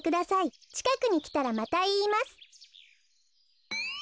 ちかくにきたらまたいいます。